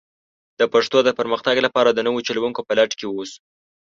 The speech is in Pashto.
د پښتو د پرمختګ لپاره د نوو چلوونکو په لټه کې ووسو.